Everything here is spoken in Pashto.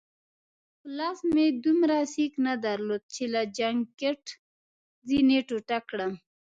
په لاس مې دومره سېک نه درلود چي له جانکټ ځینې ټوټه کړم.